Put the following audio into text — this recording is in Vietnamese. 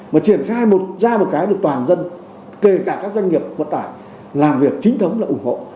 mà triển khai ra một cái được toàn dân kể cả các doanh nghiệp vận tải làm việc chính thống là ủng hộ